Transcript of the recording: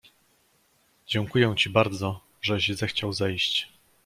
"Dziękuję ci bardzo, żeś zechciał zejść."